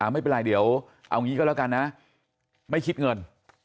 ไม่เป็นไรเดี๋ยวเอางี้ก็แล้วกันนะไม่คิดเงิน